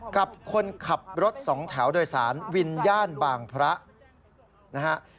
กับคนขับรถสองแถวโดยสารวินย่านบางพระนะฮะ